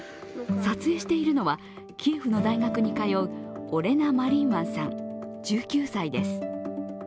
撮影しているのはキエフの大学に通うオレナ・マリンワンさん１９歳です。